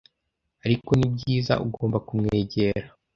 ariko nibyiza ugomba kumwegera